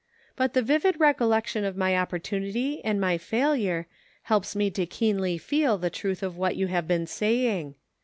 But the vivid recollection of my opportunity r and my failure, helps me to keenly feel the truth of what you have been saying.